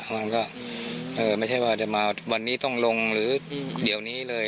มันก็ไม่ใช่ว่าจะมาวันนี้ต้องลงหรือเดี๋ยวนี้เลย